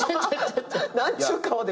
何ちゅう顔で見て。